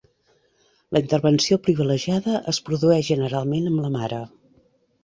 La intervenció privilegiada es produeix generalment amb la mare.